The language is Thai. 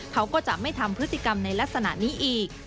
เขาก็จะไม่ทำพฤติกรรมในลักษณะนี้อีก